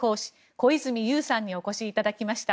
小泉悠さんにお越しいただきました。